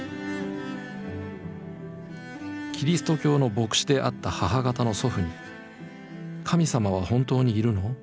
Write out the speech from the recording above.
キリスト教の牧師であった母方の祖父に「神様は本当にいるの？